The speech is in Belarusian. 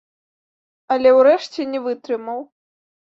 Але ўрэшце не вытрымаў.